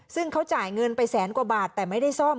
ซึ่งเขาจ่ายเงินไปแสนกว่าบาทแต่ไม่ได้ซ่อม